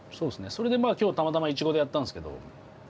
それでまあ今日たまたまイチゴでやったんすけど。